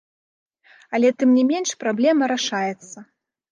Але тым не менш праблема рашаецца.